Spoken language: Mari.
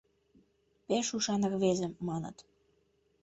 «Пеш ушан рвезе», — маныт.